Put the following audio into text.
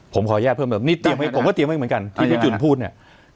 ผมขอแยกเพิ่มผมก็เตรียมให้เหมือนกันที่พี่จุ่นพูดเนี่ย